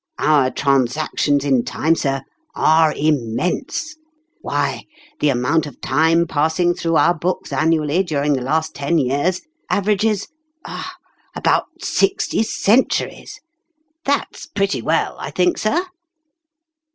Our transactions in time, sir, are immense. Why, the amount of Time passing through our books annually during the last ten years, aver ages ah ! about sixty centuries ! That's pret ty well, I think, sir?"